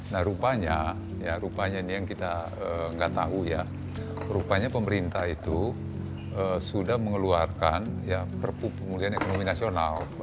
nah rupanya ya rupanya ini yang kita nggak tahu ya rupanya pemerintah itu sudah mengeluarkan perpu pemulihan ekonomi nasional